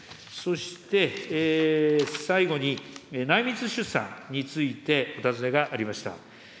そして、最後に内密出産についてお尋ねがありました。